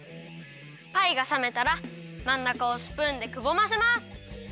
パイがさめたらまんなかをスプーンでくぼませます！